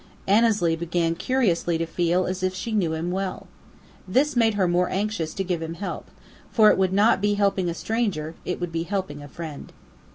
Annesley began curiously to feel as if she knew him well. This made her more anxious to give him help for it would not be helping a stranger: it would be helping a friend.